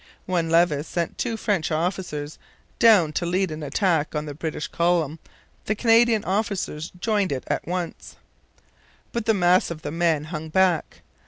When Levis sent two French officers down to lead an attack on the British column the Canadian officers joined it at once. But the mass of the men hung back.